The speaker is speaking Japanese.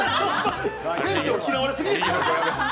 店長、嫌われすぎでしょ！